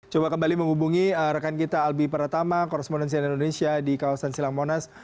coba kembali menghubungi rekan kita albi pratama korrespondensian indonesia di kawasan silang monas